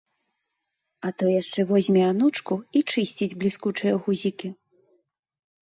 А то яшчэ возьме анучку і чысціць бліскучыя гузікі.